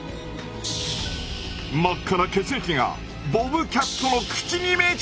真っ赤な血液がボブキャットの口に命中！